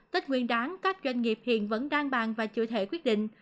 tết nguyên đáng các doanh nghiệp hiện vẫn đang bàn và chưa thể quyết định